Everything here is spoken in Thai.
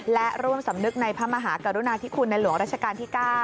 และร่วมสำนึกในพระมหากรุณาธิคุณในหลวงราชการที่๙